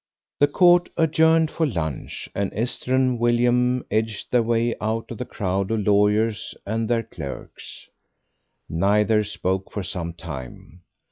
The court adjourned for lunch, and Esther and William edged their way out of the crowd of lawyers and their clerks. Neither spoke for some time.